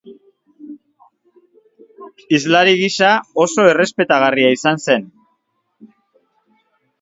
Hizlari gisa, oso errespetagarria izan zen.